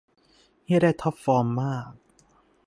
เหี้ยได้ท็อปฟอร์มมาก